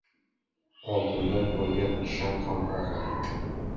• Oltindan bo‘lgan kishan ham og‘ir.